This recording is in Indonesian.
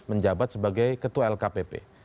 menjabat sebagai ketua lkpp